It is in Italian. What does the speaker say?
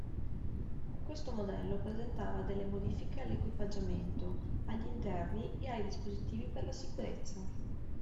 Questo modello presentava delle modifiche all'equipaggiamento, agli interni ed ai dispositivi per la sicurezza.